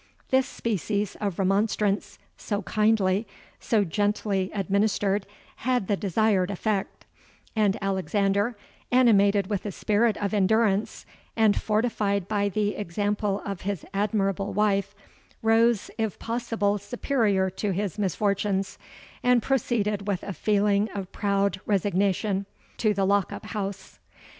This species of remonstrance, so kindly—so gently administered, had the desired effect; and Alexander, animated with a spirit of endurance, and fortified by the example of his admirable wife, rose if possible superior to his misfortunes, and proceeded with a feeling of proud resignation to the lock up house.